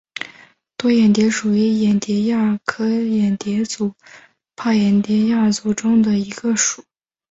多眼蝶属是眼蝶亚科眼蝶族帕眼蝶亚族中的一个属。